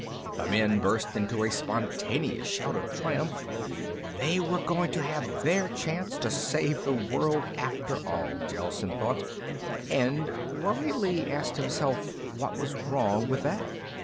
The men burst into a spontaneous shout of triumph. They were going to have their chance to save the world after all, Gelsen thought, and worriedly asked himself what was wrong with that.